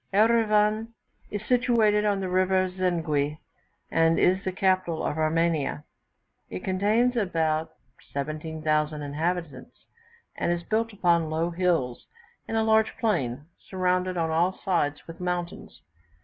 Erivan is situated on the river Zengui, and is the capital of Armenia; it contains about 17,000 inhabitants, and is built upon low hills, in a large plain, surrounded on all sides with mountains.